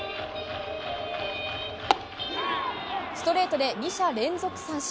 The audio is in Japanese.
ストレートで２者連続三振。